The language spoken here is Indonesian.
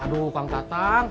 waduh kang tatang